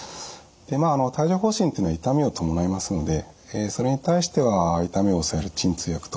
でまあ帯状ほう疹っていうのは痛みを伴いますのでそれに対しては痛みを抑える鎮痛薬と。